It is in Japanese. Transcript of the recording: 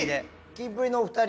キンプリのお２人。